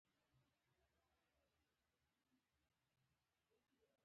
د هلمند په ګرمسیر کې د یورانیم نښې شته.